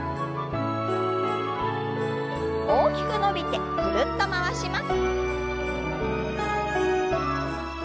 大きく伸びてぐるっと回します。